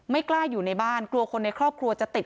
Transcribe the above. กล้าอยู่ในบ้านกลัวคนในครอบครัวจะติด